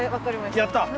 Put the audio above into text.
やった！